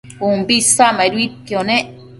umbi isacmaiduidquio nec